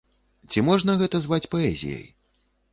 Ці можна гэта зваць паэзіяй?